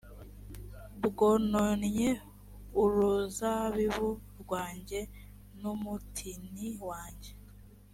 bwononnye uruzabibu rwanjye n umutini wanjye